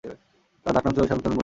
তার ডাকনাম ছিল শ্যামসুন্দর মুন্সী।